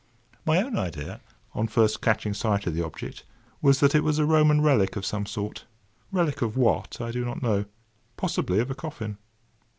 My own idea, on first catching sight of the object, was that it was a Roman relic of some sort,—relic of what I do not know, possibly of a coffin.